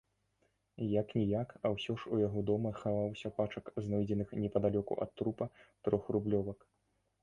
Як-ніяк, а ўсё ж у яго дома хаваўся пачак знойдзеных непадалёку ад трупа трохрублёвак.